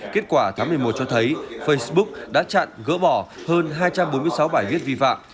kết quả tháng một mươi một cho thấy facebook đã chặn gỡ bỏ hơn hai trăm bốn mươi sáu bài viết vi phạm